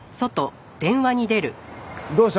どうした？